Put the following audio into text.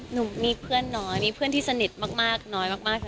หนูมีเพื่อนน้อยมีเพื่อนที่สนิทมากน้อยมากค่ะ